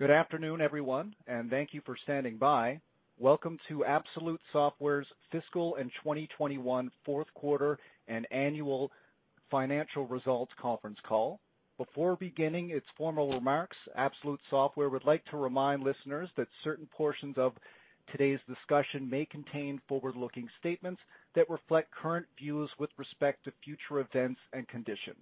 Good afternoon, everyone, and thank you for standing by. Welcome to Absolute Software's Fiscal and 2021 Fourth Quarter and Annual Financial Results Conference Call. Before beginning its formal remarks, Absolute Software would like to remind listeners that certain portions of today's discussion may contain forward-looking statements that reflect current views with respect to future events and conditions.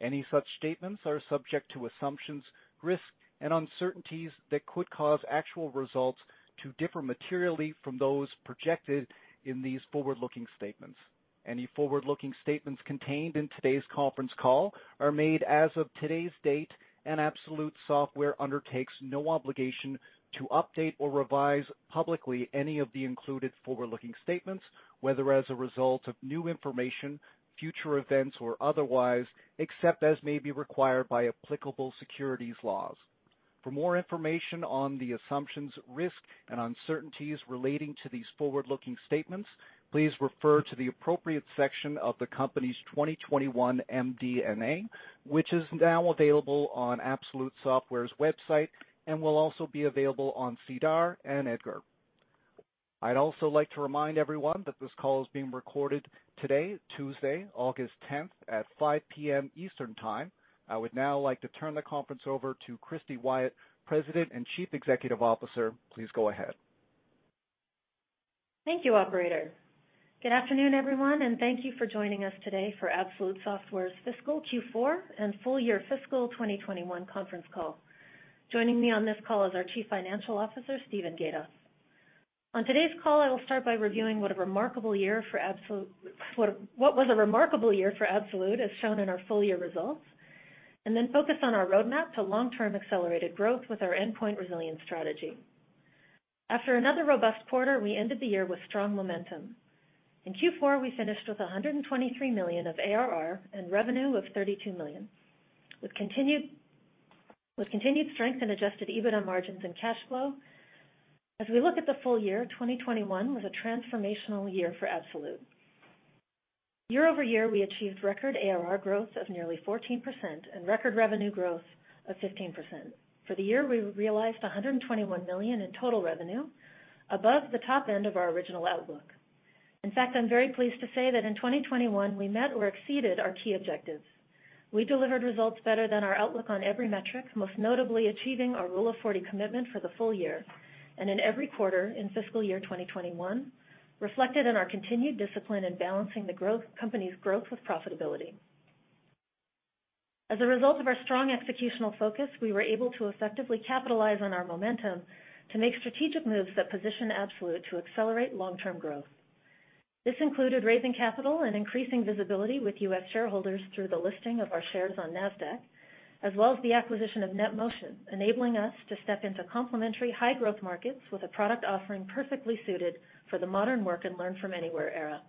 Any such statements are subject to assumptions, risks, and uncertainties that could cause actual results to differ materially from those projected in these forward-looking statements. Any forward-looking statements contained in today's conference call are made as of today's date, and Absolute Software undertakes no obligation to update or revise publicly any of the included forward-looking statements, whether as a result of new information, future events, or otherwise, except as may be required by applicable securities laws. For more information on the assumptions, risks, and uncertainties relating to these forward-looking statements, please refer to the appropriate section of the company's 2021 MD&A, which is now available on Absolute Software's website and will also be available on SEDAR and EDGAR. I'd also like to remind everyone that this call is being recorded today, Tuesday, August 10th, 2021, at 5:00 P.M. Eastern Time. I would now like to turn the conference over to Christy Wyatt, President and Chief Executive Officer. Please go ahead. Thank you operator. Good afternoon, everyone, and thank you for joining us today for Absolute Software's fiscal Q4 and full year fiscal 2021 conference call. Joining me on this call is our Chief Financial Officer, Steven Gatoff. On today's call, I will start by reviewing what was a remarkable year for Absolute, as shown in our full-year results, and then focus on our roadmap to long-term accelerated growth with our endpoint resilience strategy. After another robust quarter, we ended the year with strong momentum. In Q4, we finished with $123 million of ARR and revenue of $32 million, with continued strength in adjusted EBITDA margins and cash flow. As we look at the full year, 2021 was a transformational year for Absolute. Year-over-year, we achieved record ARR growth of nearly 14% and record revenue growth of 15%. For the year, we realized $121 million in total revenue, above the top end of our original outlook. I'm very pleased to say that in 2021, we met or exceeded our key objectives. We delivered results better than our outlook on every metric, most notably achieving our Rule of 40 commitment for the full year and in every quarter in fiscal year 2021, reflected in our continued discipline in balancing the company's growth with profitability. As a result of our strong executional focus, we were able to effectively capitalize on our momentum to make strategic moves that position Absolute to accelerate long-term growth. This included raising capital and increasing visibility with U.S. shareholders through the listing of our shares on Nasdaq, as well as the acquisition of NetMotion, enabling us to step into complementary high-growth markets with a product offering perfectly suited for the modern work and learn-from-anywhere era.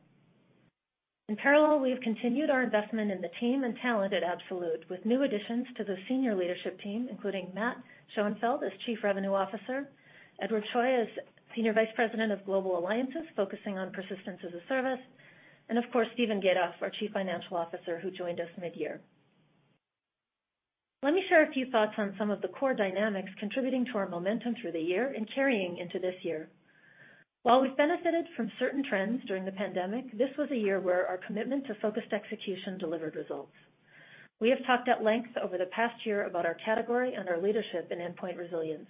In parallel, we've continued our investment in the team and talent at Absolute Software with new additions to the senior leadership team, including Matt Schoenfeld as Chief Revenue Officer, Edward Choi as Senior Vice President of Global Alliances, focusing on Persistence as a Service, and of course, Steven Gatoff, our Chief Financial Officer, who joined us mid-year. Let me share a few thoughts on some of the core dynamics contributing to our momentum through the year and carrying into this year. While we've benefited from certain trends during the pandemic, this was a year where our commitment to focused execution delivered results. We have talked at length over the past year about our category and our leadership in endpoint resilience,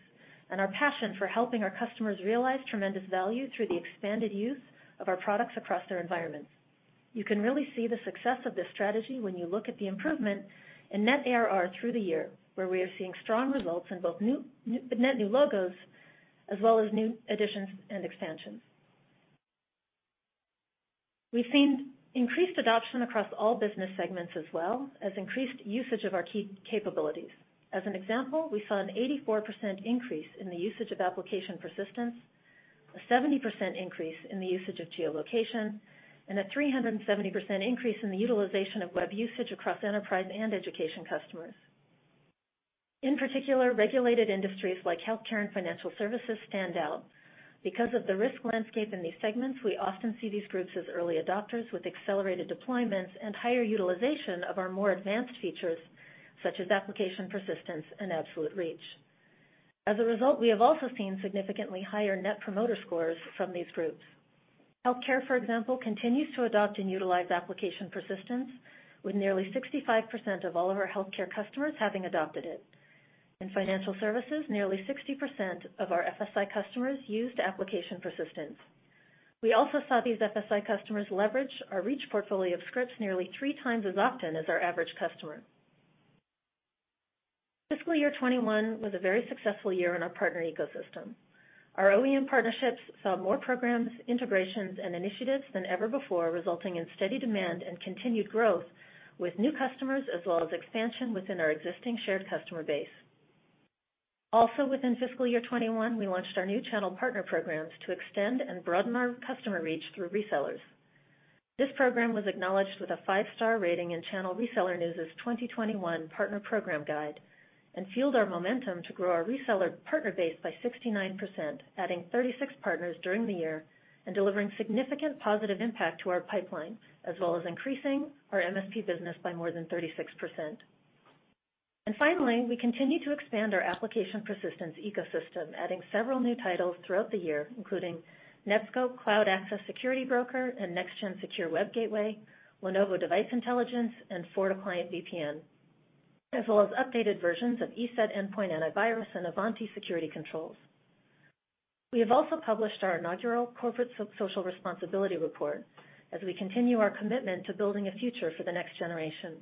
and our passion for helping our customers realize tremendous value through the expanded use of our products across their environments. You can really see the success of this strategy when you look at the improvement in net ARR through the year, where we are seeing strong results in both net new logos as well as new additions and expansions. We've seen increased adoption across all business segments as well as increased usage of our key capabilities. As an example, we saw an 84% increase in the usage of Application Persistence, a 70% increase in the usage of geolocation, and a 370% increase in the utilization of web usage across enterprise and education customers. In particular, regulated industries like healthcare and financial services stand out. Because of the risk landscape in these segments, we often see these groups as early adopters with accelerated deployments and higher utilization of our more advanced features, such as Application Persistence and Absolute Reach. As a result, we have also seen significantly higher Net Promoter Scores from these groups. Healthcare, for example, continues to adopt and utilize Application Persistence, with nearly 65% of all of our healthcare customers having adopted it. In financial services, nearly 60% of our FSI customers used Application Persistence. We also saw these FSI customers leverage our Reach portfolio of scripts nearly 3x as often as our average customer. Fiscal year 2021 was a very successful year in our partner ecosystem. Our OEM partnerships saw more programs, integrations, and initiatives than ever before, resulting in steady demand and continued growth with new customers as well as expansion within our existing shared customer base. Also within fiscal year 2021, we launched our new channel partner programs to extend and broaden our customer reach through resellers. This program was acknowledged with a five-star rating in CRN's 2021 Partner Program Guide and fueled our momentum to grow our reseller partner base by 69%, adding 36 partners during the year and delivering significant positive impact to our pipeline, as well as increasing our MSP business by more than 36%. We continue to expand our Application Persistence ecosystem, adding several new titles throughout the year, including Netskope Cloud Access Security Broker and Next-Gen Secure Web Gateway, Lenovo Device Intelligence, and FortiClient VPN, as well as updated versions of ESET Endpoint Antivirus and Ivanti Security Controls. We have also published our inaugural corporate social responsibility report as we continue our commitment to building a future for the next generation.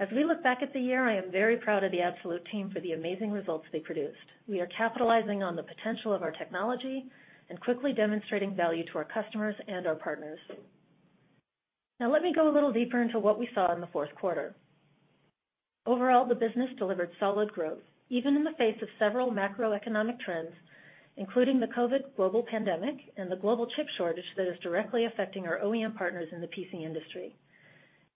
As we look back at the year, I am very proud of the Absolute team for the amazing results they produced. We are capitalizing on the potential of our technology and quickly demonstrating value to our customers and our partners. Let me go a little deeper into what we saw in the fourth quarter. Overall, the business delivered solid growth, even in the face of several macroeconomic trends, including the COVID global pandemic and the global chip shortage that is directly affecting our OEM partners in the PC industry.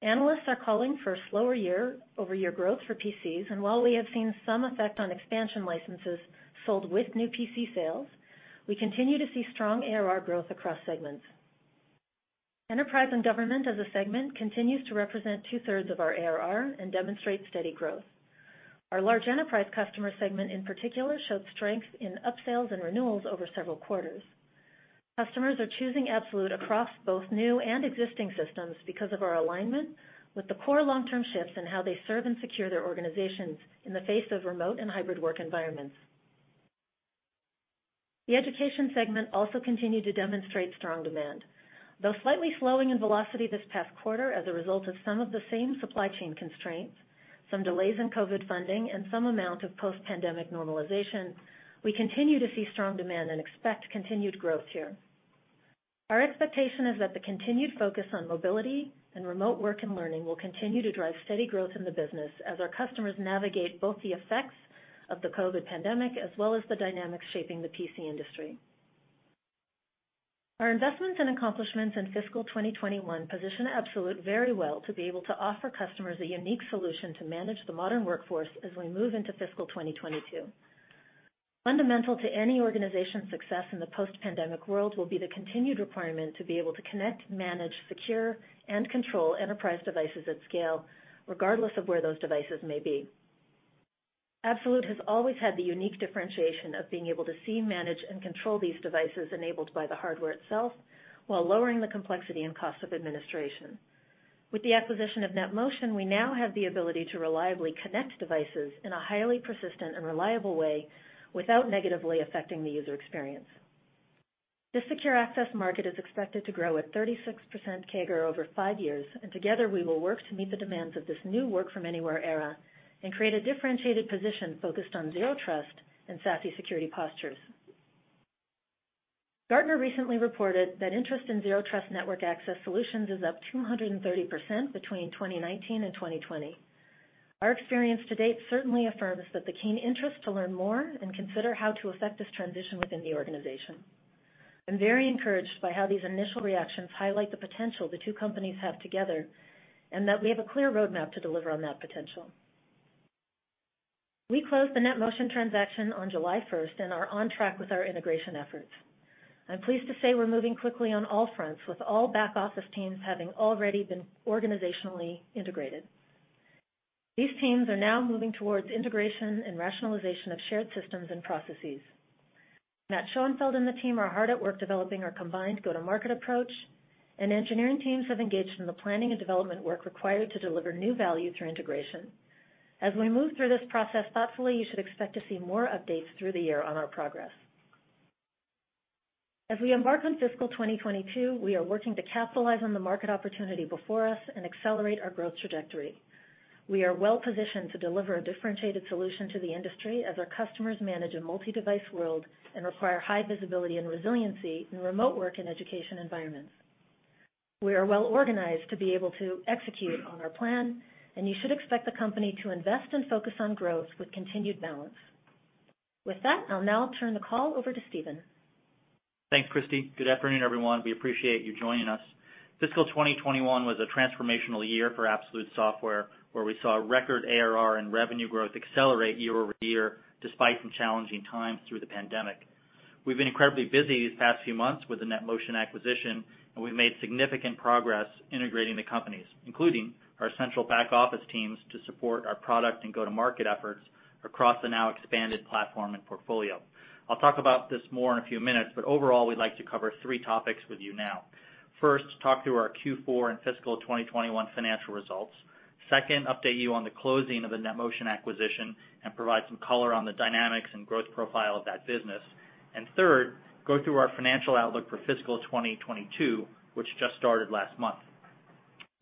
Analysts are calling for a slower year-over-year growth for PCs, and while we have seen some effect on expansion licenses sold with new PC sales, we continue to see strong ARR growth across segments. Enterprise and Government as a segment continues to represent 2/3 of our ARR and demonstrate steady growth. Our large enterprise customer segment in particular showed strength in upsales and renewals over several quarters. Customers are choosing Absolute across both new and existing systems because of our alignment with the core long-term shifts in how they serve and secure their organizations in the face of remote and hybrid work environments. The education segment also continued to demonstrate strong demand. Though slightly slowing in velocity this past quarter as a result of some of the same supply chain constraints, some delays in COVID funding, and some amount of post-pandemic normalization, we continue to see strong demand and expect continued growth here. Our expectation is that the continued focus on mobility and remote work and learning will continue to drive steady growth in the business as our customers navigate both the effects of the COVID pandemic as well as the dynamics shaping the PC industry. Our investments and accomplishments in fiscal 2021 position Absolute very well to be able to offer customers a unique solution to manage the modern workforce as we move into fiscal 2022. Fundamental to any organization's success in the post-pandemic world will be the continued requirement to be able to connect, manage, secure, and control enterprise devices at scale, regardless of where those devices may be. Absolute has always had the unique differentiation of being able to see, manage, and control these devices enabled by the hardware itself while lowering the complexity and cost of administration. With the acquisition of NetMotion, we now have the ability to reliably connect devices in a highly persistent and reliable way without negatively affecting the user experience. The secure access market is expected to grow at 36% CAGR over five years. Together we will work to meet the demands of this new work-from-anywhere era and create a differentiated position focused on Zero Trust and SASE security postures. Gartner recently reported that interest in Zero Trust Network Access solutions is up 230% between 2019 and 2020. Our experience to date certainly affirms that the keen interest to learn more and consider how to effect this transition within the organization. I'm very encouraged by how these initial reactions highlight the potential the two companies have together, and that we have a clear roadmap to deliver on that potential. We closed the NetMotion transaction on July 1st, 2021 and are on track with our integration efforts. I'm pleased to say we're moving quickly on all fronts with all back office teams having already been organizationally integrated. These teams are now moving towards integration and rationalization of shared systems and processes. Matt Schoenfeld and the team are hard at work developing our combined go-to-market approach, and engineering teams have engaged in the planning and development work required to deliver new value through integration. As we move through this process thoughtfully, you should expect to see more updates through the year on our progress. As we embark on fiscal 2022, we are working to capitalize on the market opportunity before us and accelerate our growth trajectory. We are well positioned to deliver a differentiated solution to the industry as our customers manage a multi-device world and require high visibility and resiliency in remote work and education environments. We are well organized to be able to execute on our plan, and you should expect the company to invest and focus on growth with continued balance. With that, I'll now turn the call over to Steven Gatoff. Thanks, Christy. Good afternoon, everyone. We appreciate you joining us. Fiscal 2021 was a transformational year for Absolute Software, where we saw record ARR and revenue growth accelerate year-over-year despite some challenging times through the pandemic. We've been incredibly busy these past few months with the NetMotion acquisition, we've made significant progress integrating the companies, including our central back office teams to support our product and go-to-market efforts across the now expanded platform and portfolio. I'll talk about this more in a few minutes, overall, we'd like to cover three topics with you now. First, talk through our Q4 and fiscal 2021 financial results. Second, update you on the closing of the NetMotion acquisition and provide some color on the dynamics and growth profile of that business. Third, go through our financial outlook for fiscal 2022, which just started last month.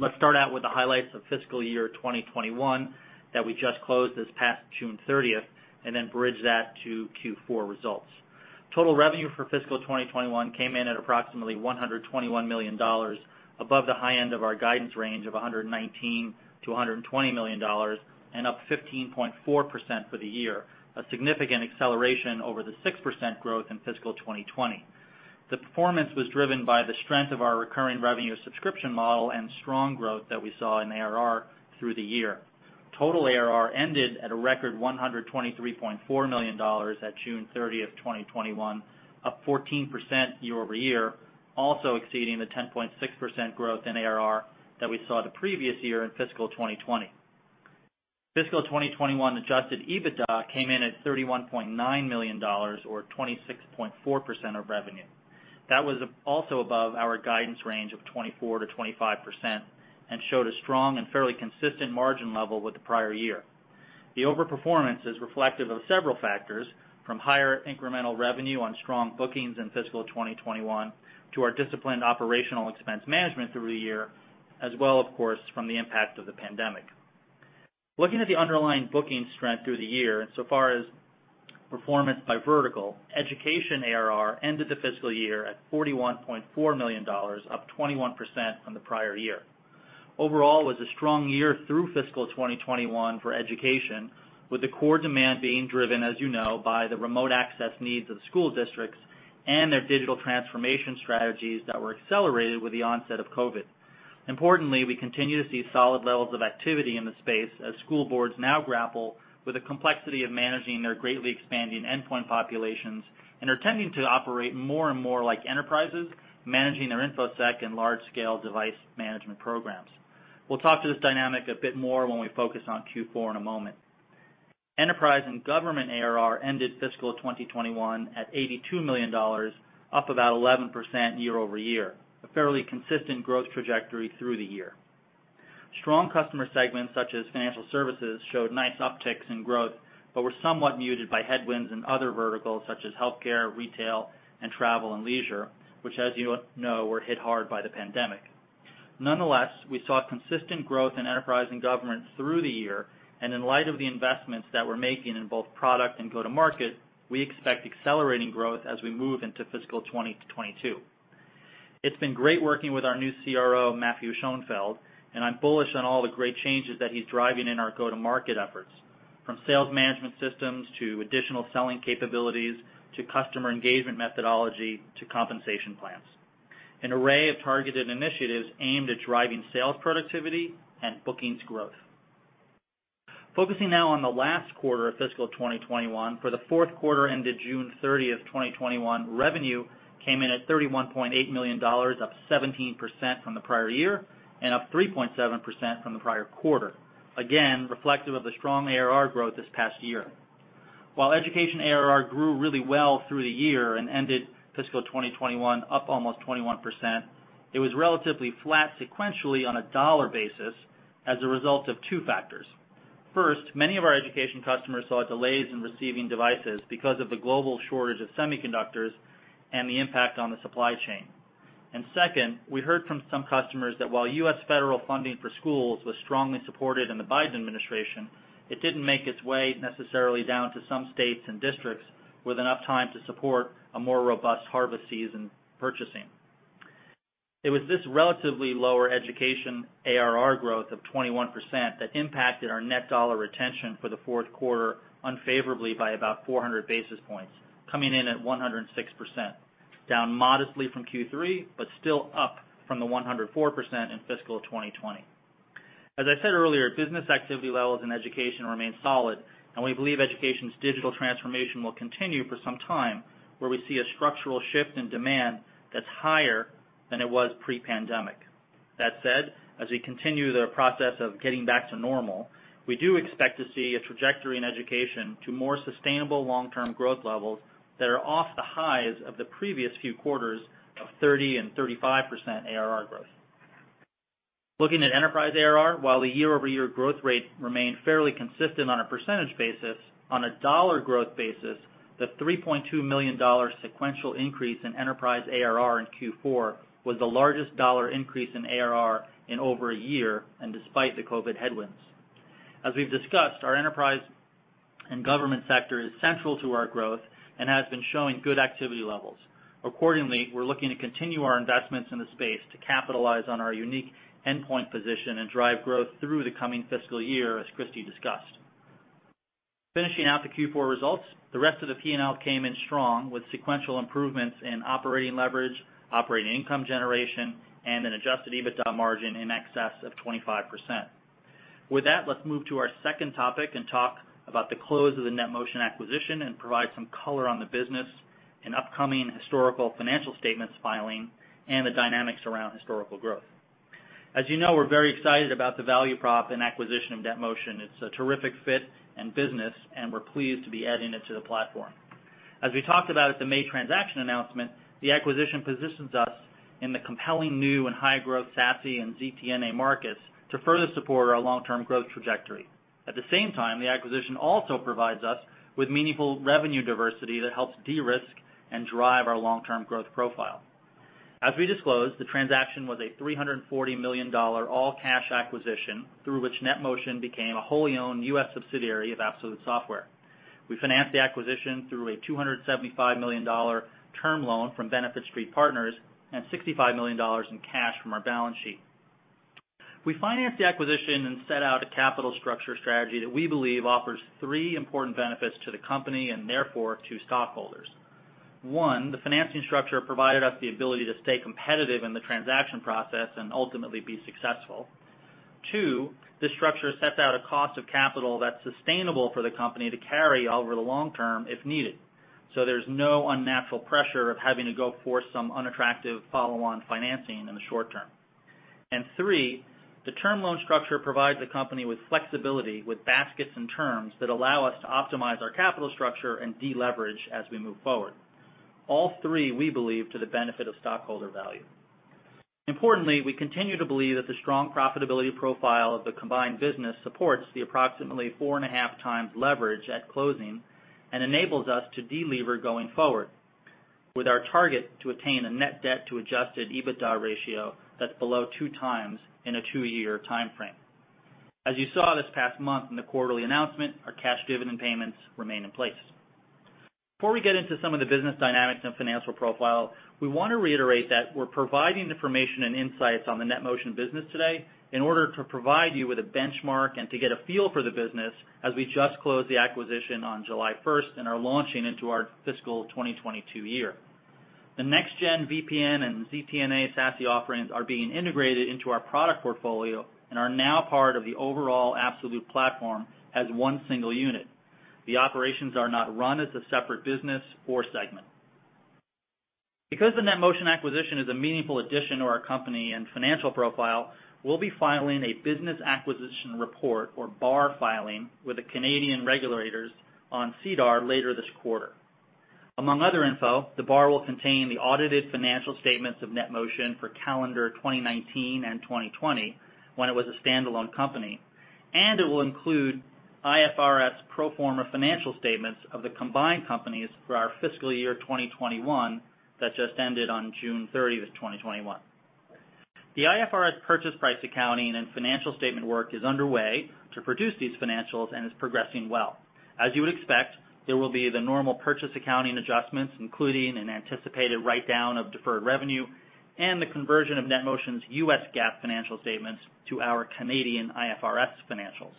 Let's start out with the highlights of fiscal year 2021 that we just closed this past June 30th and then bridge that to Q4 results. Total revenue for fiscal 2021 came in at approximately $121 million, above the high end of our guidance range of $119 million-$120 million, and up 15.4% for the year, a significant acceleration over the 6% growth in fiscal 2020. The performance was driven by the strength of our recurring revenue subscription model and strong growth that we saw in ARR through the year. Total ARR ended at a record $123.4 million at June 30th, 2021, up 14% year-over-year, also exceeding the 10.6% growth in ARR that we saw the previous year in fiscal 2020. Fiscal 2021 adjusted EBITDA came in at $31.9 million, or 26.4% of revenue. That was also above our guidance range of 24%-25% and showed a strong and fairly consistent margin level with the prior year. The over-performance is reflective of several factors, from higher incremental revenue on strong bookings in fiscal 2021 to our disciplined operational expense management through the year, as well, of course, from the impact of the pandemic. Looking at the underlying booking strength through the year and so far as performance by vertical, education ARR ended the fiscal year at $41.4 million, up 21% from the prior year. Overall, it was a strong year through fiscal 2021 for education, with the core demand being driven, as you know, by the remote access needs of school districts and their digital transformation strategies that were accelerated with the onset of COVID. Importantly, we continue to see solid levels of activity in the space as school boards now grapple with the complexity of managing their greatly expanding endpoint populations, and are tending to operate more and more like enterprises, managing their InfoSec and large-scale device management programs. We'll talk to this dynamic a bit more when we focus on Q4 in a moment. Enterprise and government ARR ended fiscal 2021 at $82 million, up about 11% year-over-year, a fairly consistent growth trajectory through the year. Strong customer segments such as financial services showed nice upticks in growth, but were somewhat muted by headwinds in other verticals such as healthcare, retail, and travel and leisure, which, as you know, were hit hard by the pandemic. Nonetheless, we saw consistent growth in enterprise and government through the year. In light of the investments that we're making in both product and go-to-market, we expect accelerating growth as we move into fiscal 2022. It's been great working with our new CRO, Matt Schoenfeld, and I'm bullish on all the great changes that he's driving in our go-to-market efforts, from sales management systems to additional selling capabilities, to customer engagement methodology, to compensation plans. An array of targeted initiatives aimed at driving sales productivity and bookings growth. Focusing now on the last quarter of fiscal 2021. For the fourth quarter ended June 30th, 2021, revenue came in at $31.8 million, up 17% from the prior year and up 3.7% from the prior quarter. Again, reflective of the strong ARR growth this past year. While education ARR grew really well through the year and ended fiscal 2021 up almost 21%, it was relatively flat sequentially on a dollar basis as a result of two factors. First, many of our education customers saw delays in receiving devices because of the global shortage of semiconductors and the impact on the supply chain. Second, we heard from some customers that while U.S. federal funding for schools was strongly supported in the Biden administration, it didn't make its way necessarily down to some states and districts with enough time to support a more robust harvest season purchasing. It was this relatively lower education ARR growth of 21% that impacted our net dollar retention for the fourth quarter unfavorably by about 400 basis points, coming in at 106%, down modestly from Q3, but still up from the 104% in fiscal 2020. As I said earlier, business activity levels in education remain solid, and we believe education's digital transformation will continue for some time, where we see a structural shift in demand that is higher than it was pre-pandemic. That said, as we continue the process of getting back to normal, we do expect to see a trajectory in education to more sustainable long-term growth levels that are off the highs of the previous few quarters of 30% and 35% ARR growth. Looking at enterprise ARR, while the year-over-year growth rate remained fairly consistent on a percentage basis, on a dollar growth basis, the $3.2 million sequential increase in enterprise ARR in Q4 was the largest dollar increase in ARR in over a year, and despite the COVID headwinds. As we have discussed, our enterprise and government sector is central to our growth and has been showing good activity levels. Accordingly, we're looking to continue our investments in the space to capitalize on our unique endpoint position and drive growth through the coming fiscal year, as Christy discussed. Finishing out the Q4 results, the rest of the P&L came in strong with sequential improvements in operating leverage, operating income generation, and an adjusted EBITDA margin in excess of 25%. With that, let's move to our second topic and talk about the close of the NetMotion acquisition and provide some color on the business and upcoming historical financial statements filing and the dynamics around historical growth. As you know, we're very excited about the value prop and acquisition of NetMotion. It's a terrific fit and business, and we're pleased to be adding it to the platform. As we talked about at the May transaction announcement, the acquisition positions us in the compelling new and high-growth SASE and ZTNA markets to further support our long-term growth trajectory. At the same time, the acquisition also provides us with meaningful revenue diversity that helps de-risk and drive our long-term growth profile. As we disclosed, the transaction was a GBP 340 million all-cash acquisition, through which NetMotion became a wholly owned U.S. subsidiary of Absolute Software. We financed the acquisition through a GBP 275 million term loan from Benefit Street Partners and GBP 65 million in cash from our balance sheet. We financed the acquisition and set out a capital structure strategy that we believe offers three important benefits to the company and therefore to stockholders. 1, the financing structure provided us the ability to stay competitive in the transaction process and ultimately be successful. 2, this structure sets out a cost of capital that's sustainable for the company to carry over the long term if needed. There's no unnatural pressure of having to go for some unattractive follow-on financing in the short term. three, the term loan structure provides the company with flexibility, with baskets and terms that allow us to optimize our capital structure and deleverage as we move forward. All three, we believe, to the benefit of stockholder value. Importantly, we continue to believe that the strong profitability profile of the combined business supports the approximately 4.5x leverage at closing and enables us to de-lever going forward, with our target to attain a net debt to adjusted EBITDA ratio that's below 2x in a two-year timeframe. As you saw this past month in the quarterly announcement, our cash dividend payments remain in place. Before we get into some of the business dynamics and financial profile, we want to reiterate that we're providing information and insights on the NetMotion business today in order to provide you with a benchmark and to get a feel for the business, as we just closed the acquisition on July 1st and are launching into our fiscal 2022 year. The NextGen VPN and ZTNA SASE offerings are being integrated into our product portfolio and are now part of the overall Absolute platform as one single unit. The operations are not run as a separate business or segment. Because the NetMotion acquisition is a meaningful addition to our company and financial profile, we'll be filing a business acquisition report or BAR filing with the Canadian regulators on SEDAR later this quarter. Among other info, the BAR will contain the audited financial statements of NetMotion for calendar 2019 and 2020, when it was a standalone company, and it will include IFRS pro forma financial statements of the combined companies for our fiscal year 2021 that just ended on June 30th 2021. The IFRS purchase price accounting and financial statement work is underway to produce these financials and is progressing well. As you would expect, there will be the normal purchase accounting adjustments, including an anticipated write-down of deferred revenue and the conversion of NetMotion's U.S. GAAP financial statements to our Canadian IFRS financials.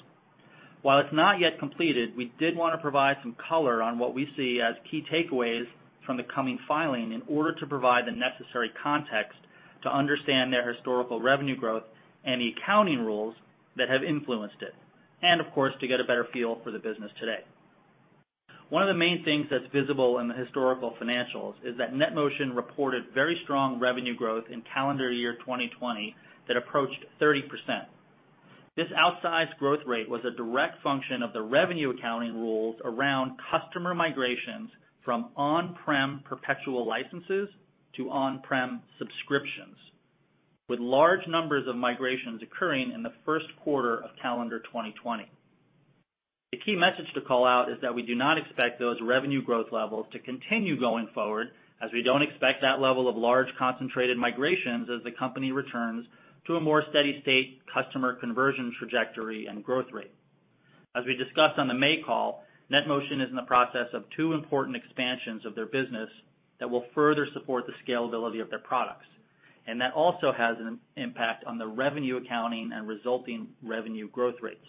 While it's not yet completed, we did want to provide some color on what we see as key takeaways from the coming filing in order to provide the necessary context to understand their historical revenue growth and the accounting rules that have influenced it, and of course, to get a better feel for the business today. One of the main things that's visible in the historical financials is that NetMotion reported very strong revenue growth in calendar year 2020 that approached 30%. This outsized growth rate was a direct function of the revenue accounting rules around customer migrations from on-prem perpetual licenses to on-prem subscriptions, with large numbers of migrations occurring in the first quarter of calendar 2020. The key message to call out is that we do not expect those revenue growth levels to continue going forward, as we don't expect that level of large concentrated migrations as the company returns to a more steady state customer conversion trajectory and growth rate. As we discussed on the May call, NetMotion is in the process of two important expansions of their business that will further support the scalability of their products, and that also has an impact on the revenue accounting and resulting revenue growth rates.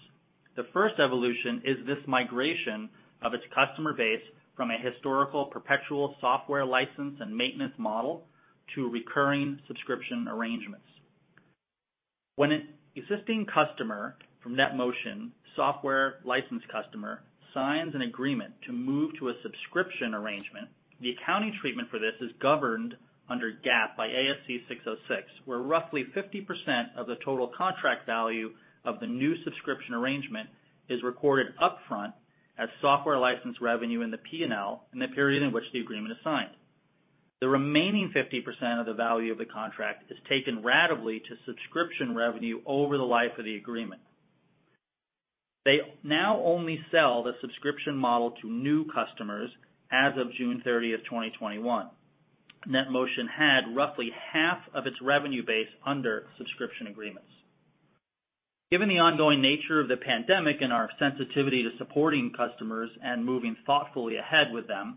The first evolution is this migration of its customer base from a historical perpetual software license and maintenance model to recurring subscription arrangements. When an existing customer from NetMotion, software license customer, signs an agreement to move to a subscription arrangement, the accounting treatment for this is governed under GAAP by ASC 606, where roughly 50% of the total contract value of the new subscription arrangement is recorded upfront as software license revenue in the P&L in the period in which the agreement is signed. The remaining 50% of the value of the contract is taken ratably to subscription revenue over the life of the agreement. They now only sell the subscription model to new customers as of June 30, 2021. NetMotion had roughly half of its revenue base under subscription agreements. Given the ongoing nature of the pandemic and our sensitivity to supporting customers and moving thoughtfully ahead with them,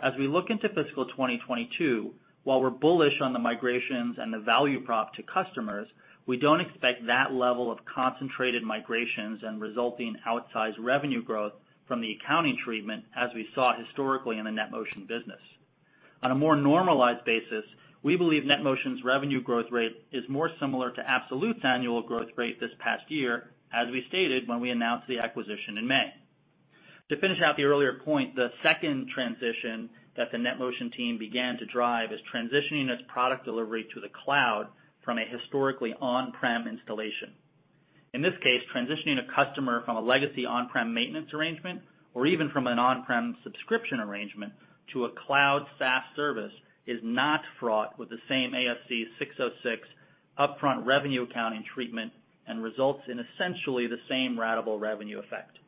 as we look into fiscal 2022, while we're bullish on the migrations and the value prop to customers, we don't expect that level of concentrated migrations and resulting outsized revenue growth from the accounting treatment as we saw historically in the NetMotion business. On a more normalized basis, we believe NetMotion's revenue growth rate is more similar to Absolute's annual growth rate this past year, as we stated when we announced the acquisition in May. To finish out the earlier point, the second transition that the NetMotion team began to drive is transitioning its product delivery to the cloud from a historically on-prem installation. In this case, transitioning a customer from a legacy on-prem maintenance arrangement, or even from an on-prem subscription arrangement to a cloud SaaS service, is not fraught with the same ASC 606 upfront revenue accounting treatment and results in essentially the same ratable revenue effect.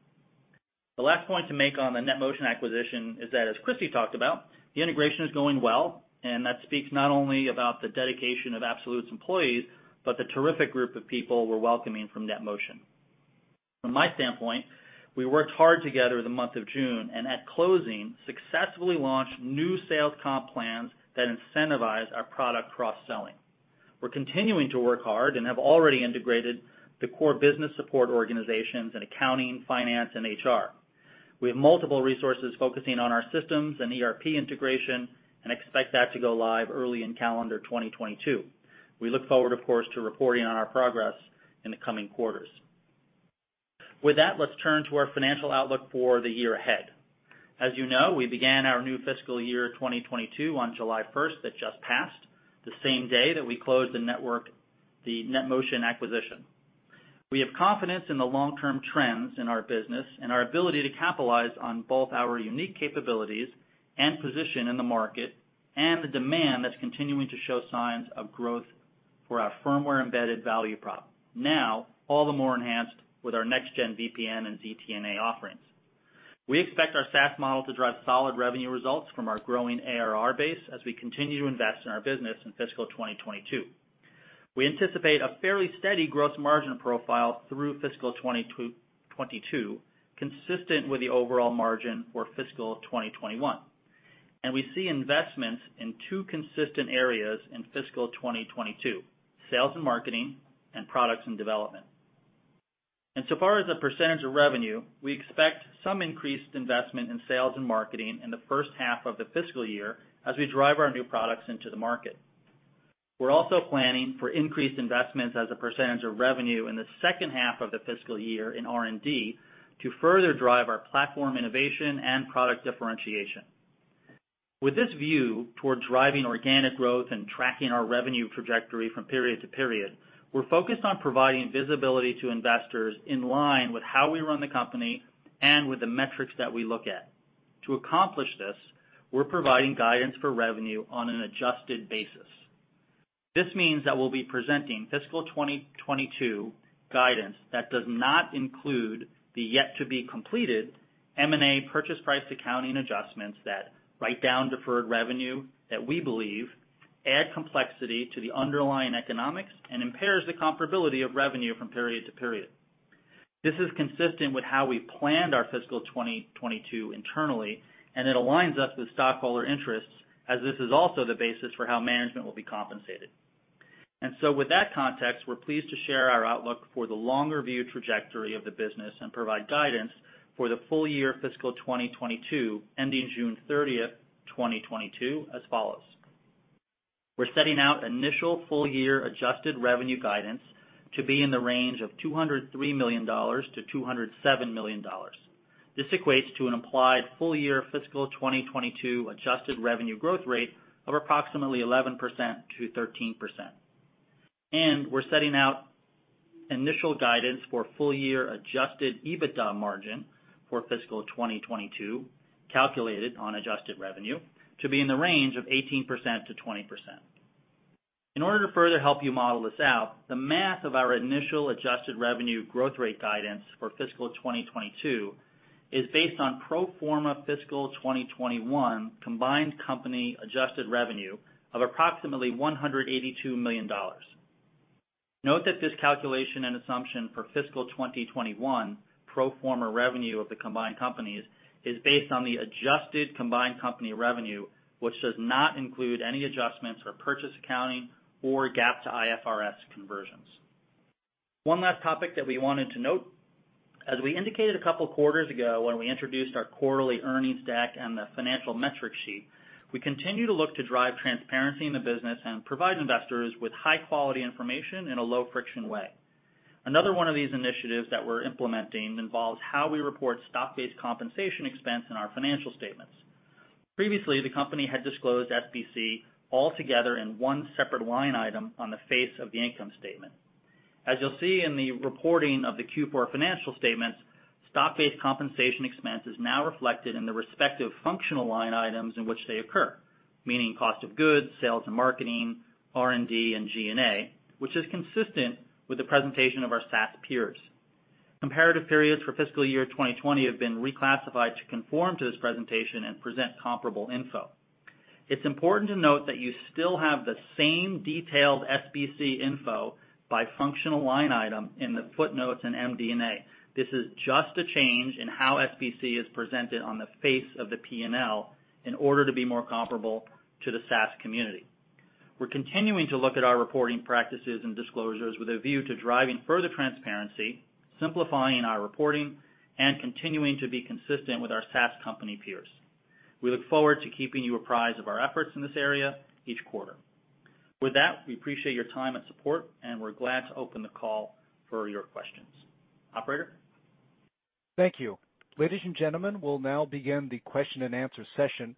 The last point to make on the NetMotion acquisition is that, as Christy Wyatt talked about, the integration is going well, and that speaks not only about the dedication of Absolute's employees, but the terrific group of people we're welcoming from NetMotion. From my standpoint, we worked hard together the month of June, and at closing, successfully launched new sales comp plans that incentivize our product cross-selling. We're continuing to work hard and have already integrated the core business support organizations in accounting, finance, and HR. We have multiple resources focusing on our systems and ERP integration and expect that to go live early in calendar 2022. We look forward, of course, to reporting on our progress in the coming quarters. With that, let's turn to our financial outlook for the year ahead. You know, we began our new fiscal year 2022 on July 1st that just passed, the same day that we closed the NetMotion acquisition. We have confidence in the long-term trends in our business, and our ability to capitalize on both our unique capabilities and position in the market, and the demand that's continuing to show signs of growth for our firmware-embedded value prop. All the more enhanced with our next-gen VPN and ZTNA offerings. We expect our SaaS model to drive solid revenue results from our growing ARR base as we continue to invest in our business in fiscal 2022. We anticipate a fairly steady gross margin profile through fiscal 2022, consistent with the overall margin for fiscal 2021. We see investments in two consistent areas in fiscal 2022, sales and marketing and products and development. So far, as a percentage of revenue, we expect some increased investment in sales and marketing in the 1st half of the fiscal year as we drive our new products into the market. We're also planning for increased investments as a percentage of revenue in the 2nd half of the fiscal year in R&D to further drive our platform innovation and product differentiation. With this view toward driving organic growth and tracking our revenue trajectory from period to period, we're focused on providing visibility to investors in line with how we run the company and with the metrics that we look at. To accomplish this, we're providing guidance for revenue on an adjusted basis. This means that we'll be presenting fiscal 2022 guidance that does not include the yet-to-be-completed M&A purchase price accounting adjustments that write down deferred revenue that we believe add complexity to the underlying economics and impairs the comparability of revenue from period to period. This is consistent with how we planned our fiscal 2022 internally, and it aligns us with stockholder interests, as this is also the basis for how management will be compensated. With that context, we're pleased to share our outlook for the longer view trajectory of the business and provide guidance for the full year fiscal 2022, ending June 30th, 2022 as follows. We're setting out initial full-year adjusted revenue guidance to be in the range of $203 million-$207 million. This equates to an implied full-year fiscal 2022 adjusted revenue growth rate of approximately 11%-13%. We're setting out initial guidance for full-year adjusted EBITDA margin for fiscal 2022, calculated on adjusted revenue, to be in the range of 18%-20%. In order to further help you model this out, the math of our initial adjusted revenue growth rate guidance for fiscal 2022 is based on pro forma fiscal 2021 combined company adjusted revenue of approximately $182 million. Note that this calculation and assumption for fiscal 2021 pro forma revenue of the combined companies is based on the adjusted combined company revenue, which does not include any adjustments for purchase accounting or GAAP to IFRS conversions. One last topic that we wanted to note, as we indicated a couple of quarters ago when we introduced our quarterly earnings deck and the financial metric sheet, we continue to look to drive transparency in the business and provide investors with high-quality information in a low-friction way. Another one of these initiatives that we're implementing involves how we report stock-based compensation expense in our financial statements. Previously, the company had disclosed SBC all together in one separate line item on the face of the income statement. As you'll see in the reporting of the Q4 financial statements, stock-based compensation expense is now reflected in the respective functional line items in which they occur, meaning cost of goods, sales and marketing, R&D, and G&A, which is consistent with the presentation of our SaaS peers. Comparative periods for fiscal year 2020 have been reclassified to conform to this presentation and present comparable info. It's important to note that you still have the same detailed SBC info by functional line item in the footnotes in MD&A. This is just a change in how SBC is presented on the face of the P&L in order to be more comparable to the SaaS community. We're continuing to look at our reporting practices and disclosures with a view to driving further transparency, simplifying our reporting, and continuing to be consistent with our SaaS company peers. We look forward to keeping you apprised of our efforts in this area each quarter. With that, we appreciate your time and support, and we're glad to open the call for your questions. Operator? Thank you. Ladies and gentlemen, we'll now begin the question and answer session.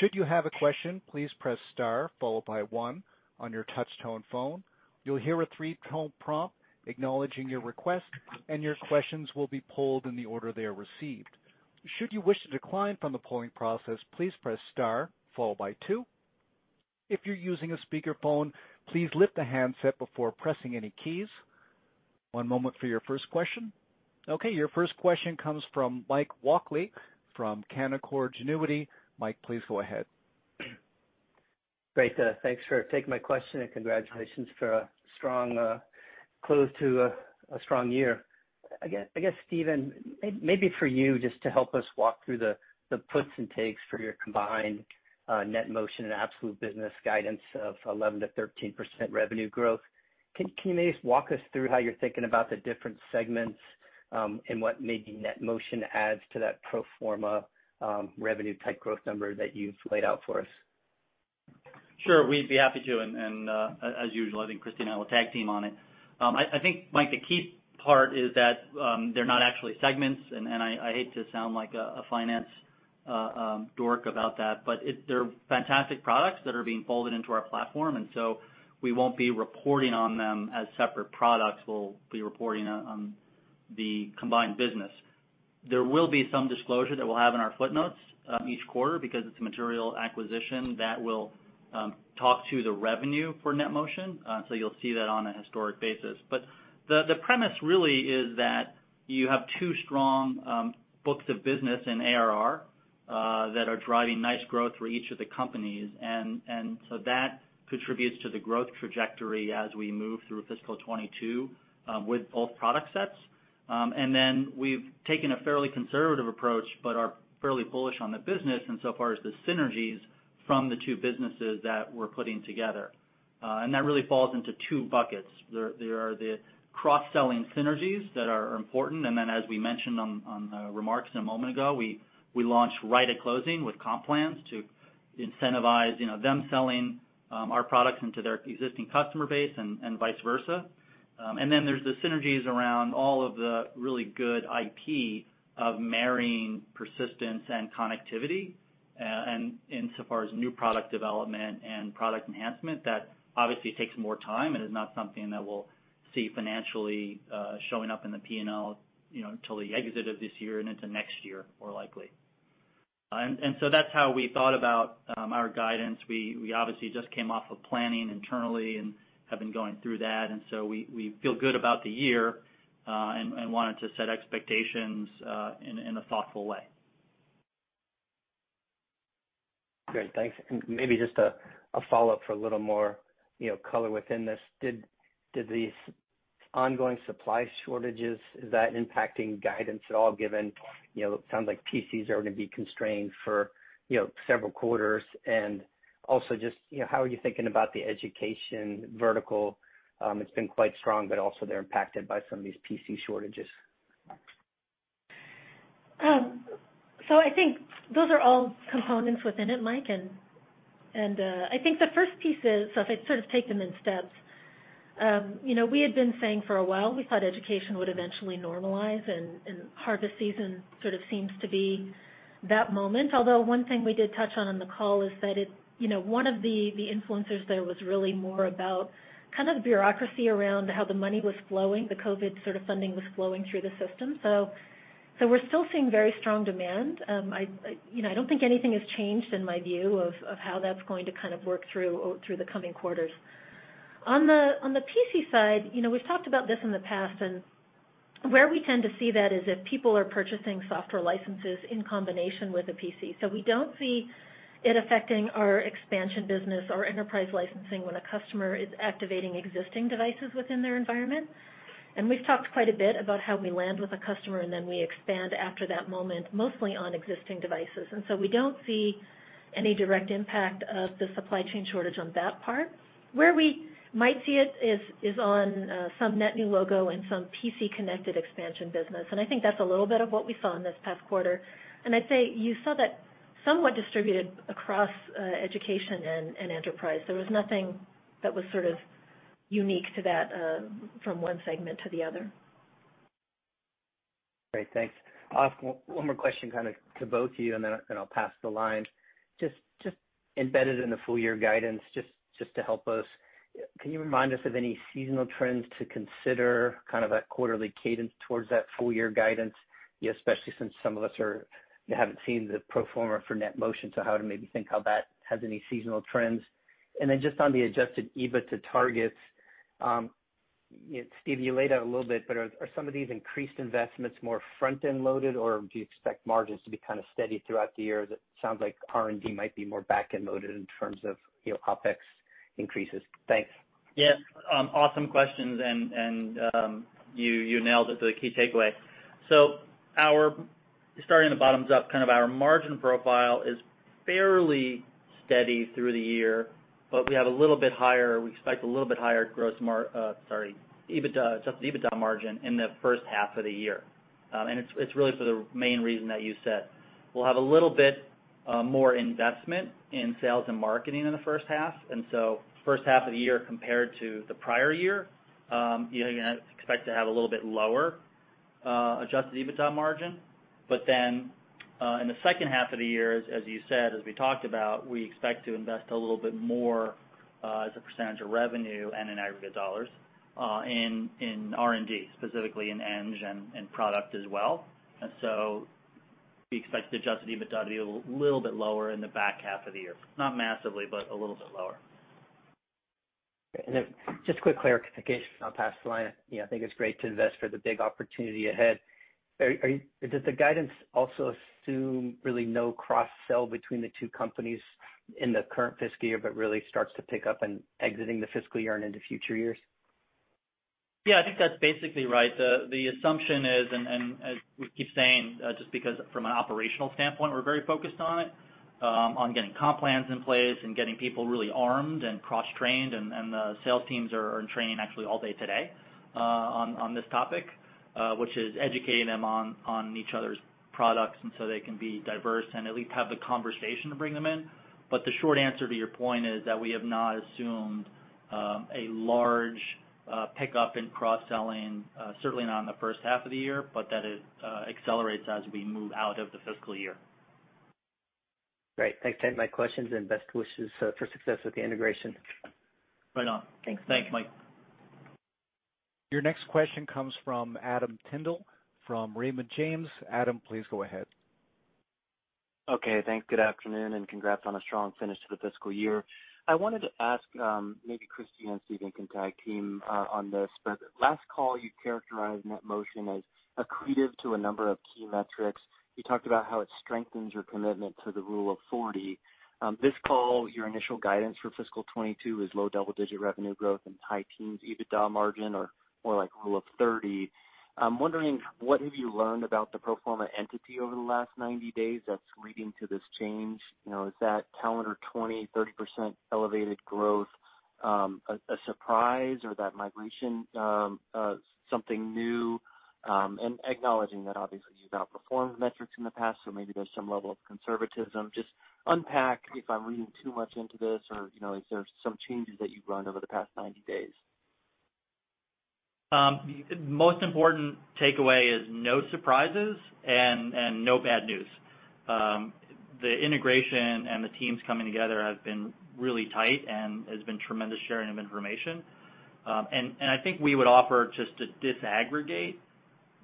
Should you have a question, please press star followed by one on your touch-tone phone. You'll hear a 3-tone prompt acknowledging your request, and your questions will be polled in the order they are received. Should you wish to decline from the polling process, please press star followed by two. If you're using a speakerphone, please lift the handset before pressing any keys. One moment for your first question. Okay, your first question comes from Mike Walkley from Canaccord Genuity. Mike, please go ahead. Great. Thanks for taking my question. Congratulations for a close to a strong year. I guess, Steven, maybe for you just to help us walk through the puts and takes for your combined NetMotion and Absolute business guidance of 11%-13% revenue growth. Can you maybe just walk us through how you're thinking about the different segments, and what maybe NetMotion adds to that pro forma revenue type growth number that you've laid out for us? Sure. We'd be happy to. As usual, I think Christy and I will tag team on it. I think, Mike, the key part is that they're not actually segments. I hate to sound like a finance dork about that, but they're fantastic products that are being folded into our platform. We won't be reporting on them as separate products. We'll be reporting on the combined business. There will be some disclosure that we'll have in our footnotes each quarter because it's a material acquisition that will talk to the revenue for NetMotion. You'll see that on a historic basis. The premise really is that you have two strong books of business in ARR that are driving nice growth for each of the companies. That contributes to the growth trajectory as we move through fiscal 2022 with both product sets. Then we've taken a fairly conservative approach, but are fairly bullish on the business insofar as the synergies from the two businesses that we're putting together. That really falls into two buckets. There are the cross-selling synergies that are important. As we mentioned on the remarks a moment ago, we launch right at closing with comp plans to incentivize them selling our products into their existing customer base and vice versa. There's the synergies around all of the really good IP of marrying persistence and connectivity insofar as new product development and product enhancement, that obviously takes more time and is not something that we'll see financially showing up in the P&L until the exit of this year and into next year, more likely. That's how we thought about our guidance. We obviously just came off of planning internally and have been going through that, and so we feel good about the year, and wanted to set expectations in a thoughtful way. Great. Thanks. Maybe just a follow-up for a little more color within this, did these ongoing supply shortages, is that impacting guidance at all, given it sounds like PCs are going to be constrained for several quarters? Also just how are you thinking about the education vertical? It's been quite strong, but also they're impacted by some of these PC shortages. I think those are all components within it, Mike. I think the first piece is, if I take them in steps. We had been saying for a while, we thought education would eventually normalize, harvest season sort of seems to be that moment. Although one thing we did touch on in the call is that one of the influencers there was really more about the bureaucracy around how the money was flowing, the COVID funding was flowing through the system. We're still seeing very strong demand. I don't think anything has changed in my view of how that's going to work through the coming quarters. On the PC side, we've talked about this in the past, where we tend to see that is if people are purchasing software licenses in combination with a PC. We don't see it affecting our expansion business or enterprise licensing when a customer is activating existing devices within their environment. We've talked quite a bit about how we land with a customer, and then we expand after that moment, mostly on existing devices. We don't see any direct impact of the supply chain shortage on that part. Where we might see it is on some net new logo and some PC-connected expansion business. I think that's a little bit of what we saw in this past quarter. I'd say you saw that somewhat distributed across education and enterprise. There was nothing that was unique to that from one segment to the other. Great. Thanks. I'll ask one more question to both of you, and then I'll pass the line. Just embedded in the full-year guidance, just to help us, can you remind us of any seasonal trends to consider that quarterly cadence towards that full-year guidance? Especially since some of us haven't seen the pro forma for NetMotion, how to maybe think how that has any seasonal trends. Just on the adjusted EBITDA targets, Steve, you laid out a little bit, are some of these increased investments more front-end loaded, or do you expect margins to be steady throughout the year? It sounds like R&D might be more back-end loaded in terms of OpEx increases. Thanks. Yeah. Awesome questions, you nailed it to the key takeaway. Starting to bottoms-up, our margin profile is fairly steady through the year, but we expect a little bit higher, sorry, adjusted EBITDA margin in the first half of the year. It's really for the main reason that you said. We'll have a little bit more investment in sales and marketing in the first half, first half of the year compared to the prior year, you're going to expect to have a little bit lower adjusted EBITDA margin. In the second half of the year, as you said, as we talked about, we expect to invest a little bit more as a percentage of revenue and in aggregate dollars in R&D, specifically in eng and product as well. We expect adjusted EBITDA to be a little bit lower in the back half of the year. Not massively, but a little bit lower. Just quick clarification, I'll pass to Lana. I think it's great to invest for the big opportunity ahead. Does the guidance also assume really no cross-sell between the two companies in the current fiscal year, but really starts to pick up in exiting the fiscal year and into future years? Yeah, I think that's basically right. The assumption is, as we keep saying, just because from an operational standpoint, we're very focused on it, on getting comp plans in place and getting people really armed and cross-trained, and the sales teams are in training actually all day today on this topic, which is educating them on each other's products and so they can be diverse and at least have the conversation to bring them in. The short answer to your point is that we have not assumed a large pickup in cross-selling, certainly not in the first half of the year, but that it accelerates as we move out of the fiscal year. Great. Thanks. My questions and best wishes for success with the integration. Right on. Thanks. Thanks, Mike. Your next question comes from Adam Tindle from Raymond James. Adam, please go ahead. Okay, thanks. Good afternoon, and congrats on a strong finish to the fiscal year. I wanted to ask, maybe Christy Wyatt and Steven Gatoff can tag team on this. Last call you characterized NetMotion as accretive to a number of key metrics. You talked about how it strengthens your commitment to the Rule of 40. This call, your initial guidance for FY 2022 is low-double-digit revenue growth and high teens EBITDA margin or more like Rule of 30. I'm wondering what have you learned about the pro forma entity over the last 90 days that's leading to this change? Is that calendar 20%-30% elevated growth, a surprise or that migration, something new? Acknowledging that obviously you've outperformed metrics in the past, maybe there's some level of conservatism. Just unpack if I'm reading too much into this or is there some changes that you've learned over the past 90 days? Most important takeaway is no surprises and no bad news. The integration and the teams coming together have been really tight and has been tremendous sharing of information. I think we would offer just to disaggregate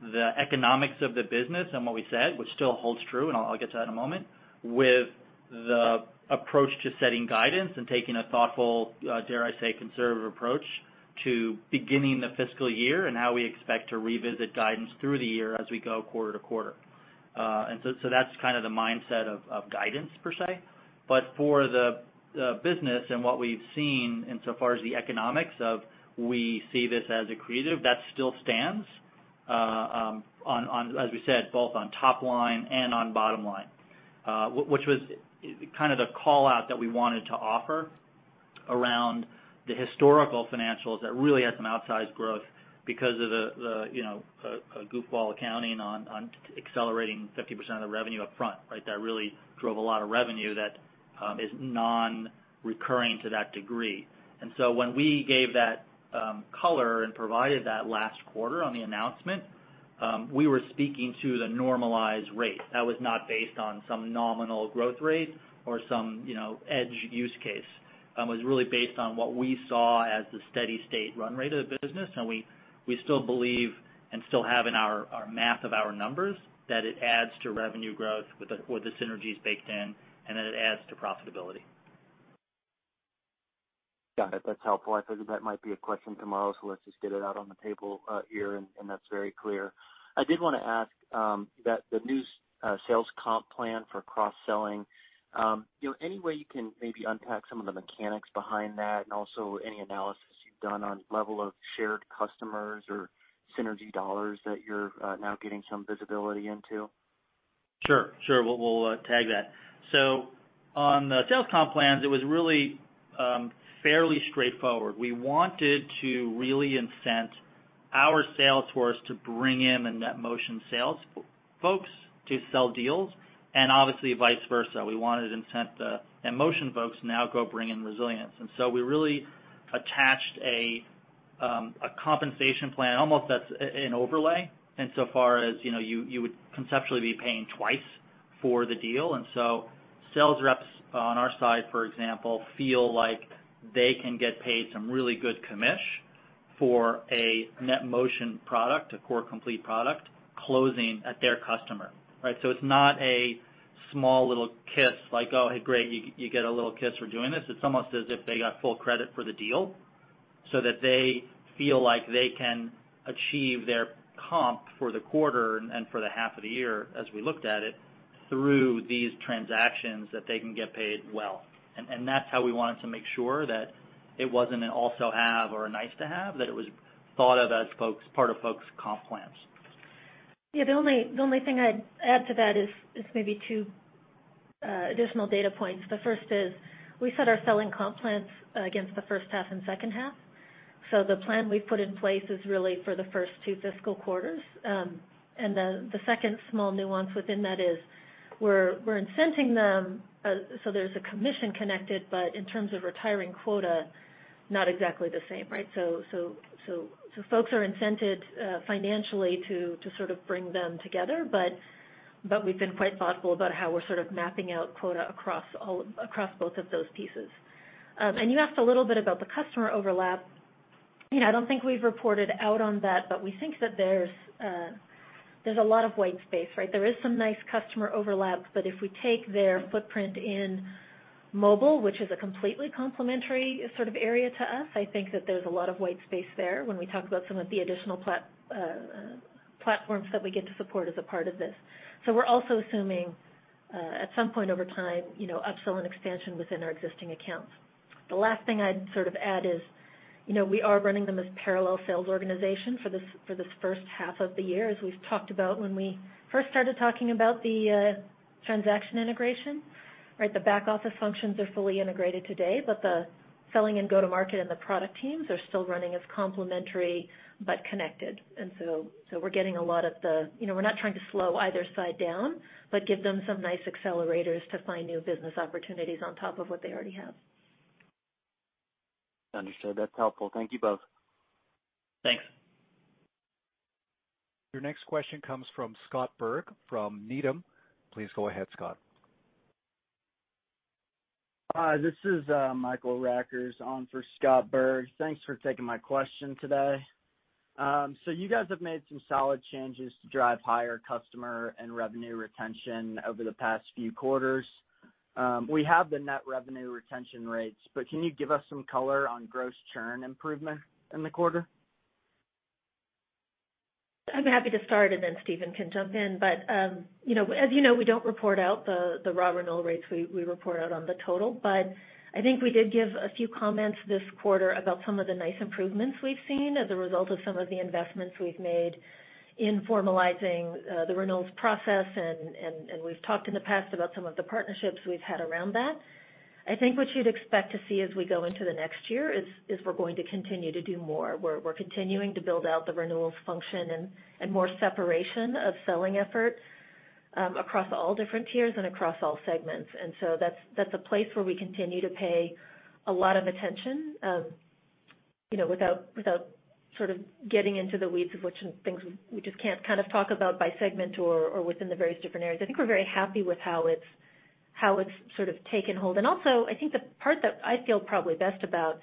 the economics of the business and what we said, which still holds true, and I'll get to that in a moment, with the approach to setting guidance and taking a thoughtful, dare I say, conservative approach to beginning the fiscal year and how we expect to revisit guidance through the year as we go quarter to quarter. That's kind of the mindset of guidance per se. For the business and what we've seen in so far as the economics, we see this as accretive, that still stands, as we said, both on top line and on bottom line. Which was kind of the call-out that we wanted to offer around the historical financials that really had some outsized growth because of the goofball accounting on accelerating 50% of the revenue up front. That really drove a lot of revenue that is non-recurring to that degree. When we gave that color and provided that last quarter on the announcement, we were speaking to the normalized rate. That was not based on some nominal growth rate or some edge use case. It was really based on what we saw as the steady state run rate of the business, and we still believe and still have in our math of our numbers that it adds to revenue growth with the synergies baked in, and that it adds to profitability. Got it. That's helpful. I figured that might be a question tomorrow, so let's just get it out on the table here, and that's very clear. I did want to ask that the new sales comp plan for cross-selling, any way you can maybe unpack some of the mechanics behind that and also any analysis you've done on level of shared customers or synergy dollars that you're now getting some visibility into? Sure. We'll tag that. On the sales comp plans, it was really fairly straightforward. We wanted to really incent our sales force to bring in the NetMotion sales folks to sell deals, and obviously vice versa. We wanted to incent the NetMotion folks now go bring in Resilience. We really attached a compensation plan almost that's an overlay in so far as you would conceptually be paying twice for the deal. Sales reps on our side, for example, feel like they can get paid some really good commission for a NetMotion product, a core NetMotion Complete product closing at their customer. It's not a small little kiss like, "Oh, hey, great, you get a little kiss for doing this." It's almost as if they got full credit for the deal so that they feel like they can achieve their comp for the quarter and for the half of the year as we looked at it through these transactions that they can get paid well. That's how we wanted to make sure that it wasn't an also have or a nice to have, that it was thought of as part of folks' comp plans. Yeah, the only thing I'd add to that is maybe two additional data points. The first is we set our selling comp plans against the first half and second half. The plan we've put in place is really for the first two fiscal quarters. The second small nuance within that is we're incenting them, so there's a commission connected, but in terms of retiring quota, not exactly the same. Folks are incented financially to sort of bring them together, but we've been quite thoughtful about how we're sort of mapping out quota across both of those pieces. You asked a little bit about the customer overlap. I don't think we've reported out on that, but we think that there's a lot of white space. There is some nice customer overlap, but if we take their footprint in mobile, which is a completely complementary sort of area to us, I think that there's a lot of white space there when we talk about some of the additional platforms that we get to support as a part of this. We're also assuming, at some point over time, upsell and expansion within our existing accounts. The last thing I'd sort of add is we are running them as parallel sales organization for this first half of the year, as we've talked about when we first started talking about the transaction integration. The back-office functions are fully integrated today, but the selling and go-to-market and the product teams are still running as complementary but connected. We're not trying to slow either side down, but give them some nice accelerators to find new business opportunities on top of what they already have. Understood. That's helpful. Thank you both. Thanks. Your next question comes from Scott Berg from Needham. Please go ahead, Scott. Hi. This is Michael Rackers on for Scott Berg. Thanks for taking my question today. You guys have made some solid changes to drive higher customer and revenue retention over the past few quarters. We have the net revenue retention rates, but can you give us some color on gross churn improvement in the quarter? I'm happy to start, and then Steven can jump in. As you know, we don't report out the raw renewal rates, we report out on the total. I think we did give a few comments this quarter about some of the nice improvements we've seen as a result of some of the investments we've made in formalizing the renewals process, and we've talked in the past about some of the partnerships we've had around that. I think what you'd expect to see as we go into the next year is we're going to continue to do more. We're continuing to build out the renewals function and more separation of selling efforts across all different tiers and across all segments. That's a place where we continue to pay a lot of attention, without getting into the weeds of which things we just can't talk about by segment or within the various different areas. I think we're very happy with how it's taken hold. Also, I think the part that I feel probably best about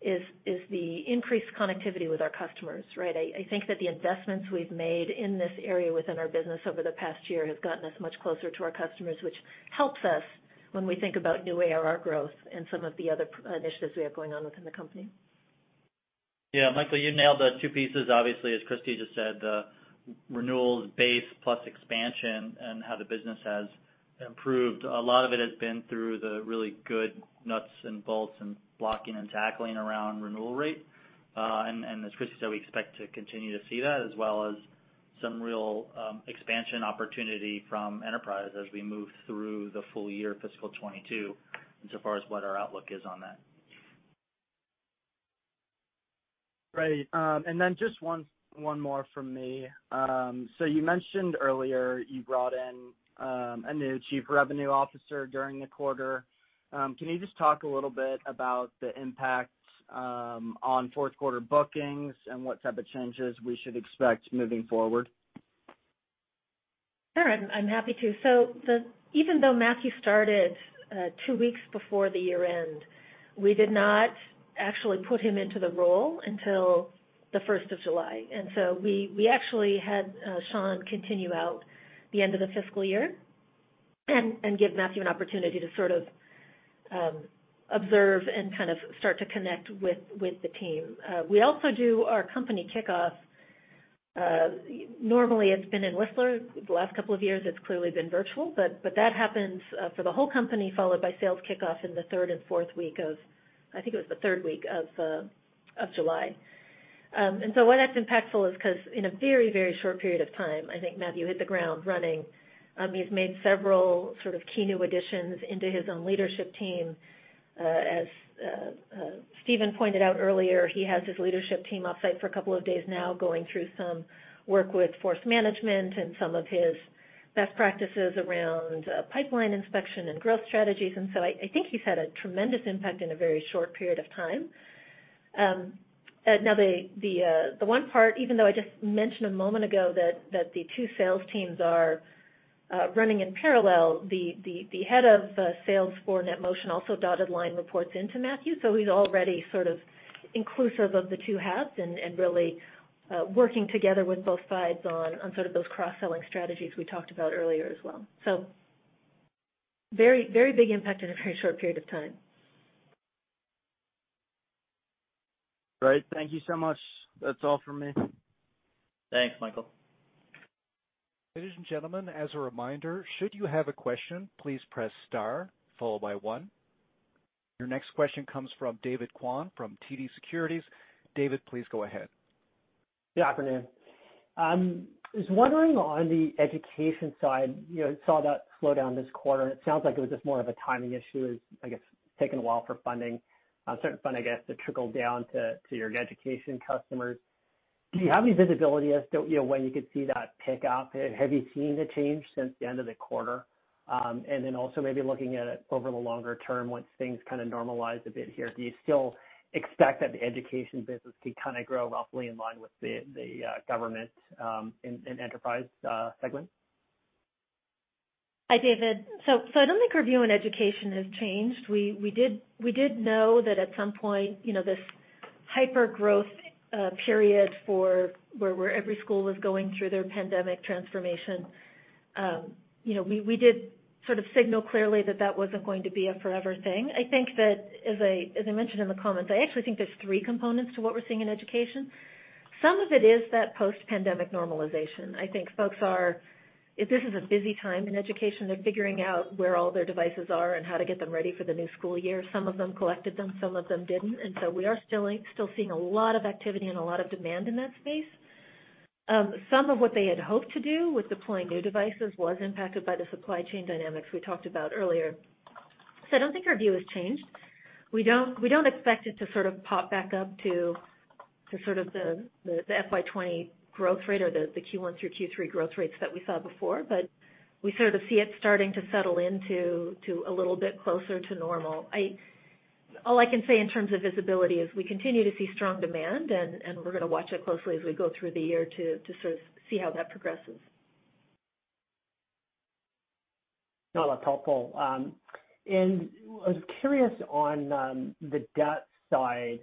is the increased connectivity with our customers. I think that the investments we've made in this area within our business over the past year have gotten us much closer to our customers, which helps us when we think about new ARR growth and some of the other initiatives we have going on within the company. Yeah. Michael, you nailed the two pieces. Obviously, as Christy just said, the renewals base plus expansion and how the business has improved. A lot of it has been through the really good nuts and bolts and blocking and tackling around renewal rate. As Christy said, we expect to continue to see that as well as some real expansion opportunity from enterprise as we move through the full year fiscal 2022, insofar as what our outlook is on that. Right. Then just one more from me. You mentioned earlier you brought in a new Chief Revenue Officer during the quarter. Can you just talk a little bit about the impact on fourth quarter bookings and what type of changes we should expect moving forward? Sure. I'm happy to. Even though Matthew started two weeks before the year-end, we did not actually put him into the role until the 1st of July. We actually had Sean continue out the end of the fiscal year and give Matthew an opportunity to observe and start to connect with the team. We also do our company kickoff. Normally, it's been in Whistler. The last couple of years, it's clearly been virtual. That happens for the whole company, followed by sales kickoff in the 3rd and 4th week of, I think it was the 3rd week of July. Why that's impactful is because in a very short period of time, I think Matthew hit the ground running. He's made several key new additions into his own leadership team. As Steven pointed out earlier, he has his leadership team off-site for a couple of days now, going through some work with Force Management and some of his best practices around pipeline inspection and growth strategies. I think he's had a tremendous impact in a very short period of time. The one part, even though I just mentioned a moment ago that the two sales teams are running in parallel, the head of sales for NetMotion also dotted line reports into Matthew. He's already inclusive of the two halves and really working together with both sides on those cross-selling strategies we talked about earlier as well. Very big impact in a very short period of time. Great. Thank you so much. That's all from me. Thanks, Michael. Ladies and gentlemen, as a reminder, should you have a question, please press star followed by one. Your next question comes from David Kwan from TD Securities. David, please go ahead. Good afternoon. I was wondering on the education side, saw that slow down this quarter. It sounds like it was just more of a timing issue as, I guess, taking a while for certain funds, I guess, to trickle down to your education customers. Do you have any visibility as when you could see that pick up? Have you seen a change since the end of the quarter? Then also maybe looking at it over the longer term, once things normalize a bit here, do you still expect that the education business could grow roughly in line with the government and enterprise segment? Hi, David. I don't think our view on education has changed. We did know that at some point, this hyper-growth period where every school was going through their pandemic transformation. We did signal clearly that that wasn't going to be a forever thing. I think that as I mentioned in the comments, I actually think there's three components to what we're seeing in education. Some of it is that post-pandemic normalization. I think this is a busy time in education. They're figuring out where all their devices are and how to get them ready for the new school year. Some of them collected them, some of them didn't, and so we are still seeing a lot of activity and a lot of demand in that space. Some of what they had hoped to do with deploying new devices was impacted by the supply chain dynamics we talked about earlier. I don't think our view has changed. We don't expect it to pop back up to the FY 2020 growth rate or the Q1 through Q3 growth rates that we saw before, but we sort of see it starting to settle into a little bit closer to normal. All I can say in terms of visibility is we continue to see strong demand, and we're going to watch it closely as we go through the year to see how that progresses. No, that's helpful. I was curious on the debt side,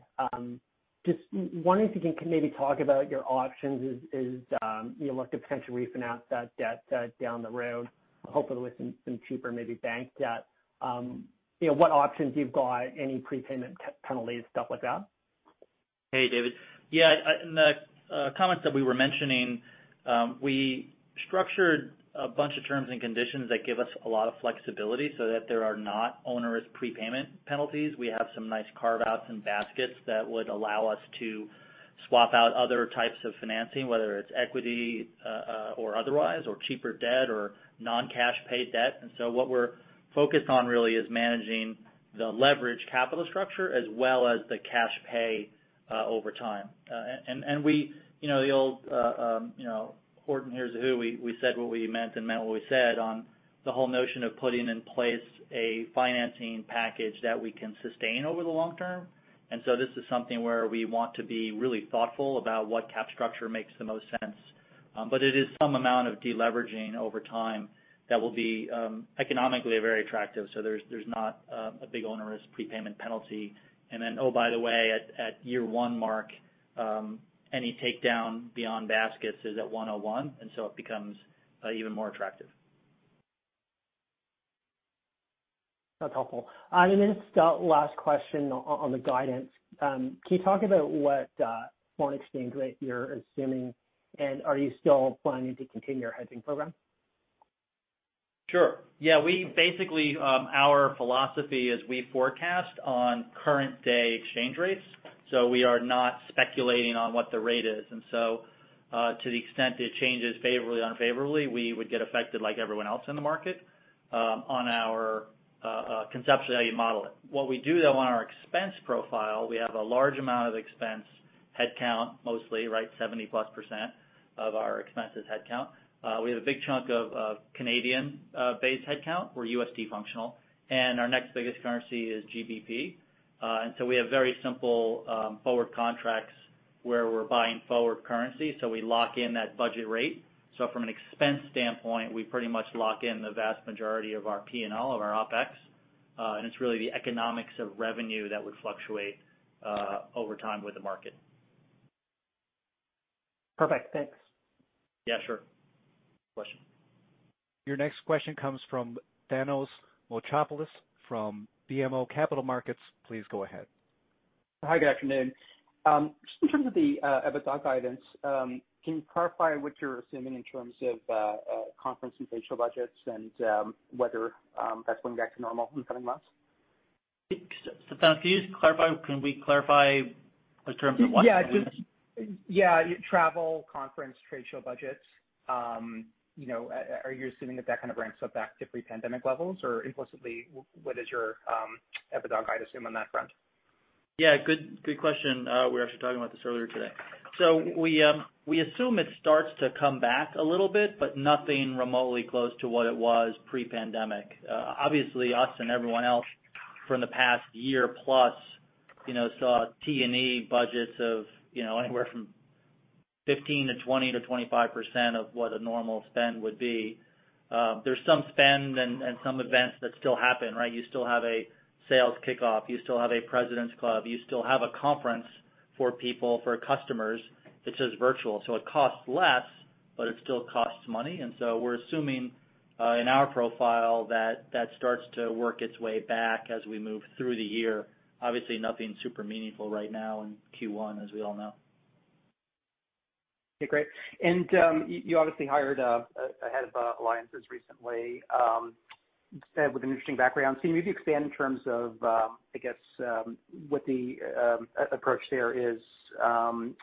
just wondering if you can maybe talk about your options as you look to potentially refinance that debt down the road, hopefully with some cheaper, maybe bank debt. What options you've got, any prepayment penalties, stuff like that? Hey, David. Yeah. In the comments that we were mentioning, we structured a bunch of terms and conditions that give us a lot of flexibility so that there are not onerous prepayment penalties. We have some nice carve-outs and baskets that would allow us to swap out other types of financing, whether it's equity or otherwise, or cheaper debt or non-cash paid debt. What we're focused on really is managing the leverage capital structure as well as the cash pay over time. The old Horton Hears a Who, we said what we meant and meant what we said on the whole notion of putting in place a financing package that we can sustain over the long term. This is something where we want to be really thoughtful about what cap structure makes the most sense. It is some amount of de-leveraging over time that will be economically very attractive. There's not a big onerous prepayment penalty. Then, oh, by the way, at year one mark, any takedown beyond baskets is at 101, and so it becomes even more attractive. That's helpful. Just last question on the guidance. Can you talk about what foreign exchange rate you're assuming, and are you still planning to continue your hedging program? Sure. Yeah. Basically, our philosophy is we forecast on current day exchange rates. We are not speculating on what the rate is. To the extent it changes favorably or unfavorably, we would get affected like everyone else in the market, conceptually how you'd model it. What we do, though, on our expense profile, we have a large amount of expense headcount, mostly, 70%+ of our expense is headcount. We have a big chunk of Canadian-based headcount. We're USD functional, and our next biggest currency is GBP. We have very simple forward contracts where we're buying forward currency, so we lock in that budget rate. From an expense standpoint, we pretty much lock in the vast majority of our P&L, of our OpEx, and it's really the economics of revenue that would fluctuate over time with the market. Perfect. Thanks. Yeah, sure. Good question. Your next question comes from Thanos Moschopoulos from BMO Capital Markets. Please go ahead. Hi, good afternoon. Just in terms of the EBITDA guidance, can you clarify what you're assuming in terms of conference and trade show budgets and whether that's going back to normal in the coming months? Thanos, can we clarify the terms? Yeah. Travel, conference, trade show budgets. Are you assuming that that kind of ramps up back to pre-pandemic levels? Implicitly, what is your EBITDA guide assume on that front? Yeah. Good question. We were actually talking about this earlier today. We assume it starts to come back a little bit, but nothing remotely close to what it was pre-pandemic. Obviously, us and everyone else from the past year-plus saw T&E budgets of anywhere from 15% to 20% to 25% of what a normal spend would be. There's some spend and some events that still happen. You still have a sales kickoff. You still have a president's club. You still have a conference for people, for customers. It's just virtual, so it costs less, but it still costs money. We're assuming, in our profile, that that starts to work its way back as we move through the year. Obviously, nothing super meaningful right now in Q1, as we all know. Okay, great. You obviously hired a head of alliances recently with an interesting background. Can you maybe expand in terms of, I guess, what the approach there is,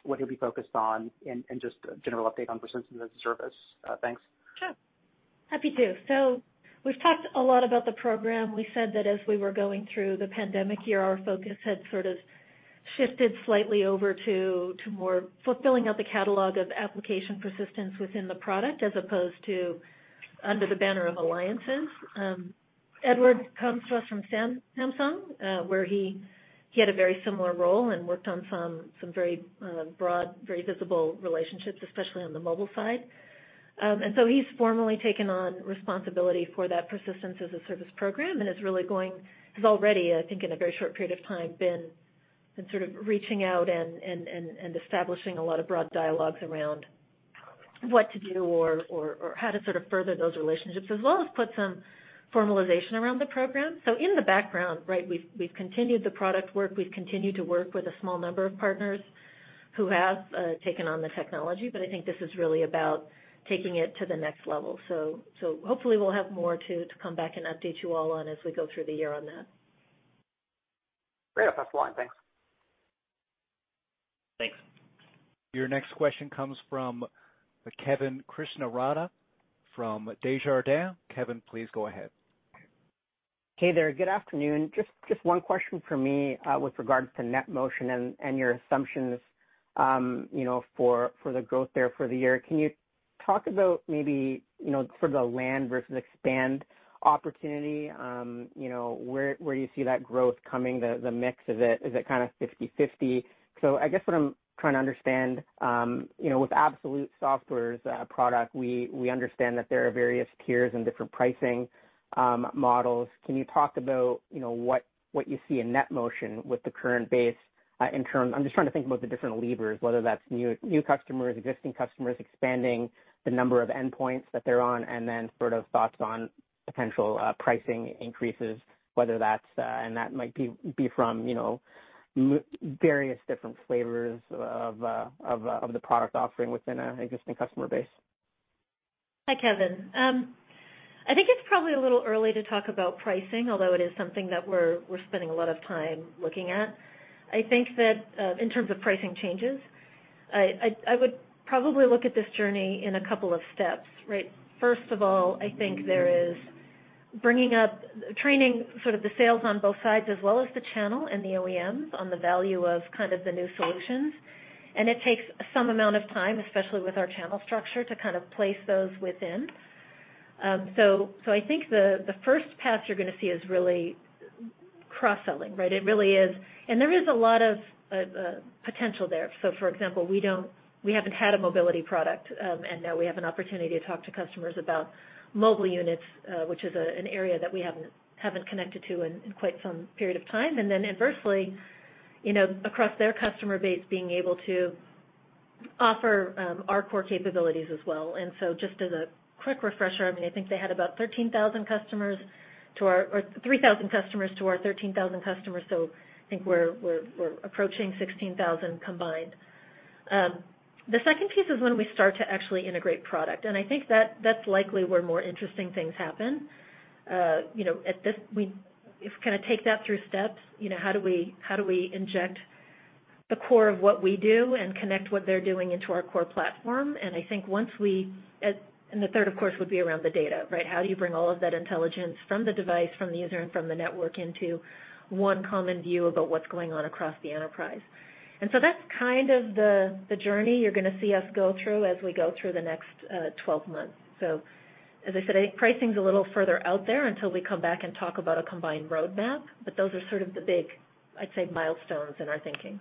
what he'll be focused on, and just a general update on Persistence as a Service? Thanks. Sure. Happy to. We've talked a lot about the program. We said that as we were going through the pandemic year, our focus had sort of shifted slightly over to more fulfilling out the catalog of application persistence within the product as opposed to under the banner of alliances. Edward comes to us from Samsung, where he had a very similar role and worked on some very broad, very visible relationships, especially on the mobile side. He's formally taken on responsibility for that Persistence as a Service program and has already, I think, in a very short period of time, been reaching out and establishing a lot of broad dialogues around what to do or how to further those relationships, as well as put some formalization around the program. In the background, we've continued the product work. We've continued to work with a small number of partners who have taken on the technology. I think this is really about taking it to the next level. Hopefully we'll have more to come back and update you all on as we go through the year on that. Great. That's fine. Thanks. Thanks. Your next question comes from Kevin Krishnaratne from Desjardins. Kevin, please go ahead. Hey there. Good afternoon. Just one question from me with regards to NetMotion and your assumptions for the growth there for the year. Can you talk about maybe sort of the land versus expand opportunity? Where do you see that growth coming, the mix of it? Is it kind of 50/50? I guess what I'm trying to understand, with Absolute Software's product, we understand that there are various tiers and different pricing models. Can you talk about what you see in NetMotion with the current base. I'm just trying to think about the different levers, whether that's new customers, existing customers expanding the number of endpoints that they're on, and then sort of thoughts on potential pricing increases, and that might be from various different flavors of the product offering within an existing customer base. Hi, Kevin. I think it's probably a little early to talk about pricing, although it is something that we're spending a lot of time looking at. I think that in terms of pricing changes, I would probably look at this journey in a couple of steps, right? First of all, I think there is bringing up training, sort of the sales on both sides, as well as the channel and the OEMs on the value of kind of the new solutions. It takes some amount of time, especially with our channel structure, to kind of place those within. I think the first path you're going to see is really cross-selling, right? It really is. There is a lot of potential there. For example, we haven't had a mobility product. Now we have an opportunity to talk to customers about mobile units, which is an area that we haven't connected to in quite some period of time. Inversely, across their customer base, being able to offer our core capabilities as well. Just as a quick refresher, I think they had about 3,000 customers to our 13,000 customers. I think we're approaching 16,000 combined. The second piece is when we start to actually integrate product, and I think that's likely where more interesting things happen. If we kind of take that through steps, how do we inject the core of what we do and connect what they're doing into our core platform? I think the third, of course, would be around the data, right? How do you bring all of that intelligence from the device, from the user, and from the network into one common view about what's going on across the enterprise? That's kind of the journey you're going to see us go through as we go through the next 12 months. As I said, I think pricing's a little further out there until we come back and talk about a combined roadmap, but those are sort of the big, I'd say, milestones in our thinking.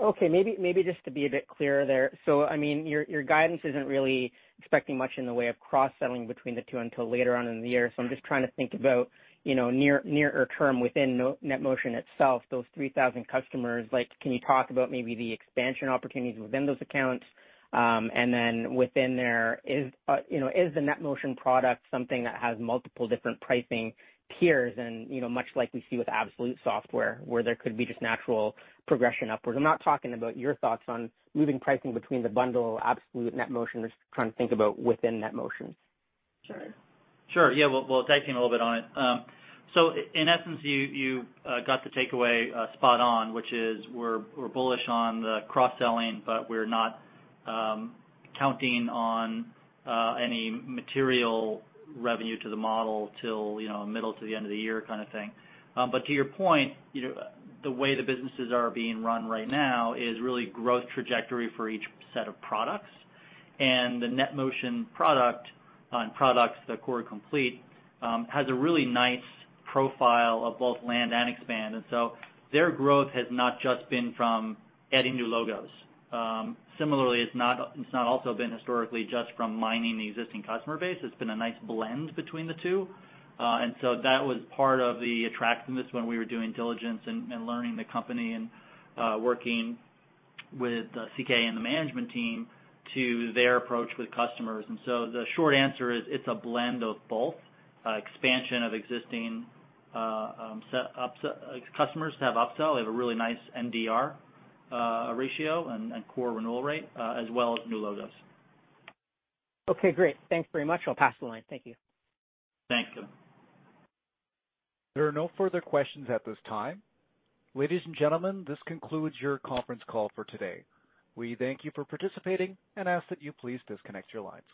Okay. Maybe just to be a bit clearer there. I'm your guidance isn't really expecting much in the way of cross-selling between the two until later on in the year. I'm just trying to think about nearer term within NetMotion itself, those 3,000 customers. Can you talk about maybe the expansion opportunities within those accounts? Then within there, is the NetMotion product something that has multiple different pricing tiers and much like we see with Absolute Software, where there could be just natural progression upwards? I'm not talking about your thoughts on moving pricing between the bundle of Absolute and NetMotion, I'm just trying to think about within NetMotion. Sure. Sure. Yeah. Well, taking a little bit on it. In essence, you got the takeaway spot on, which is we're bullish on the cross-selling, but we're not counting on any material revenue to the model till middle-to-the-end of the year kind of thing. To your point, the way the businesses are being run right now is really growth trajectory for each set of products. The NetMotion products, the NetMotion Complete, has a really nice profile of both land and expand. Their growth has not just been from adding new logos. Similarly, it's not also been historically just from mining the existing customer base. It's been a nice blend between the two. That was part of the attractiveness when we were doing diligence and learning the company and working with CK and the management team to their approach with customers. The short answer is it's a blend of both expansion of existing customers to have upsell. They have a really nice NDR ratio and core renewal rate, as well as new logos. Okay, great. Thanks very much. I'll pass the line. Thank you. Thank you. There are no further questions at this time. Ladies and gentlemen, this concludes your conference call for today. We thank you for participating and ask that you please disconnect your lines.